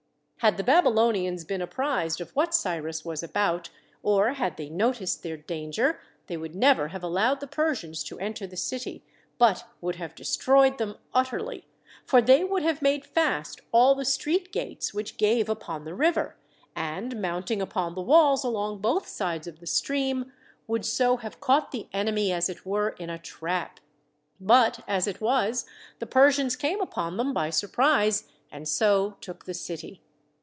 Had the Babylonians been apprised of what Cyrus was about, or had they noticed their danger, they would never have allowed the Persians to enter the THE WALLS OF BABYLON 57 city, but would have destroyed them utterly; for they would have made fast all the street gates which gave upon the river, and mounting upon the walls along both sides of the stream, would so have caught the enemy as it were in a trap. But, as it was, the Persians came upon them by surprise and so took the city.